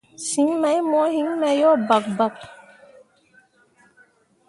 Siŋ mai mo heme yo bakbak.